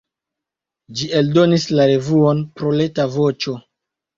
Ĝi eldonis la revuon "Proleta Voĉo".